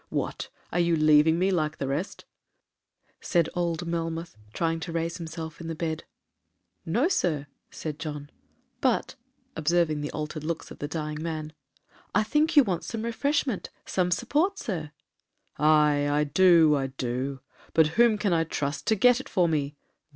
'What, are you leaving me like the rest?' said old Melmoth, trying to raise himself in the bed. 'No, Sir,' said John; 'but,' observing the altered looks of the dying man, 'I think you want some refreshment, some support, Sir.' 'Aye, I do, I do, but whom can I trust to get it for me.